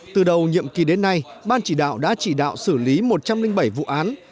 từ đầu nhiệm kỳ đến nay ban chỉ đạo đã chỉ đạo xử lý một trăm linh bảy vụ án